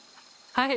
はい。